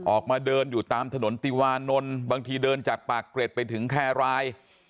ออกมาเดินอยู่ตามถนนติวานนท์บางทีเดินจากปากเกร็ดไปถึงแครราย